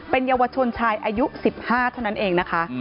เป็นเยาวชนชายอายุ๑๕เท่านั้นเองนะคะ